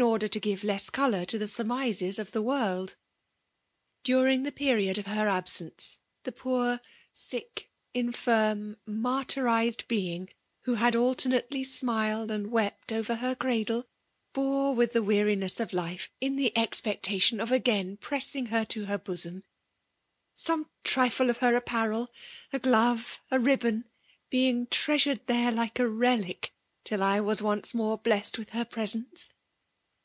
order to give less colour to the surmises of the world. •. H|>cfriirg tiie pdnod:af her absieiicei tli^ skfli, infirm, nfaftyrized beiog wlio kad dtet * nateljr smiled and wept over her cradle, We ^triih the weariness of life iu the expectation of again preiising her to her bosom : some trifle 6f her apparel — a glove — a ribbon— ^being treasured there like a relique, till I was oiice inore blessed with her presence